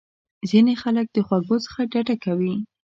ځینې خلک د خوږو څخه ډډه کوي.